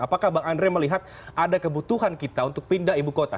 apakah bang andre melihat ada kebutuhan kita untuk pindah ibu kota